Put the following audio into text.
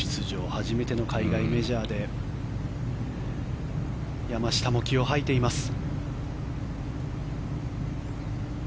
初めての海外メジャーで山下も気を吐いています。